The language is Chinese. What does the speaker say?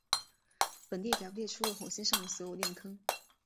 本列表列出了火星上的所有链坑。